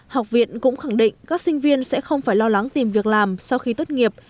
học viện cũng khẳng định các sinh viên sẽ không phải lo lắng tìm việc làm sau khi tốt nghiệp